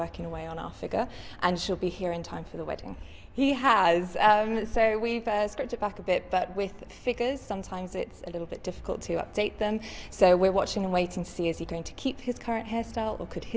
kita akan lihat apa yang terjadi